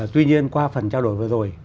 tuy nhiên qua phần trao đổi vừa rồi